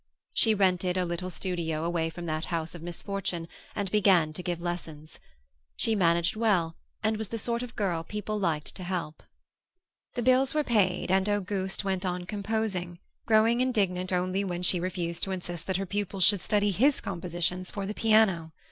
She rented a little studio away from that house of misfortune and began to give lessons. She managed well and was the sort of girl people liked to help. The bills were paid and Auguste went on composing, growing indignant only when she refused to insist that her pupils should study his compositions for the piano.